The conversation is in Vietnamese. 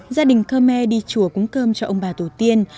gia đình khmer đi chùa cúng cơm cho ông bà tổ tiên